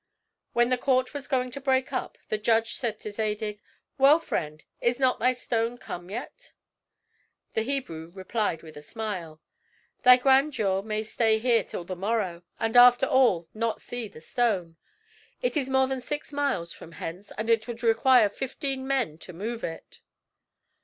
When the court was going to break up, the judge said to Zadig. "Well, friend, is not thy stone come yet?" The Hebrew replied with a smile, "Thy grandeur may stay here till the morrow, and after all not see the stone. It is more than six miles from hence; and it would require fifteen men to move it."